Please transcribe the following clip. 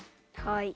はい。